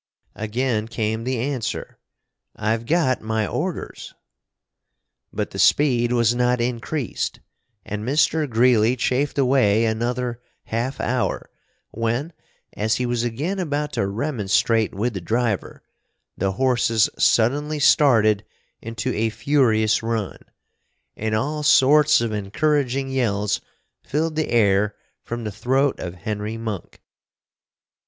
Again came the answer, "I've got my orders!" But the speed was not increased, and Mr. Greeley chafed away another half hour; when, as he was again about to remonstrate with the driver, the horses suddenly started into a furious run, and all sorts of encouraging yells filled the air from the throat of Henry Monk.